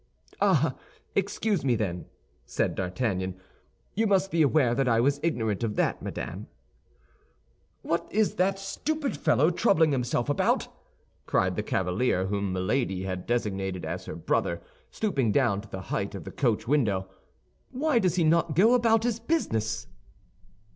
"Ah, excuse me, then," said D'Artagnan. "You must be aware that I was ignorant of that, madame." "What is that stupid fellow troubling himself about?" cried the cavalier whom Milady had designated as her brother, stooping down to the height of the coach window. "Why does not he go about his business?"